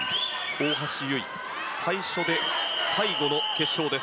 大橋悠依、最初で最後の決勝。